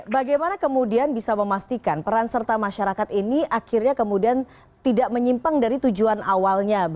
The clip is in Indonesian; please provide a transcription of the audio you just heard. bagaimana kemudian bisa memastikan peran serta masyarakat ini akhirnya kemudian tidak menyimpang dari tujuan awalnya